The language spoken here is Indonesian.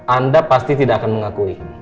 anda pasti tidak akan mengakui